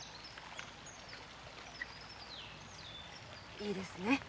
いいですね。